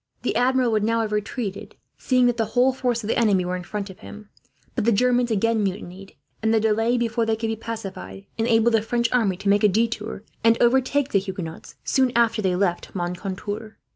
The Admiral would now have retreated, seeing that the whole force of the enemy were in front of him; but the Germans again mutinied, and the delay before they could be pacified enabled the French army to make a detour, and overtake the Huguenots soon after they left Moncontour.